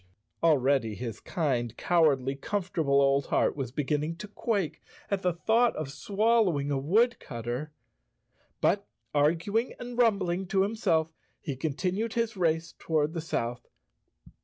Already his kind, cow¬ ardly, comfortable old heart was beginning to quake at the thought of swallowing a woodcutter. But, arguing and rumbling to himself, he continued his race toward the south.